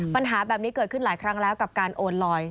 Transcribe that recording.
ปัญหาแบบนี้เกิดขึ้นหลายครั้งแล้วกับการโอนลอย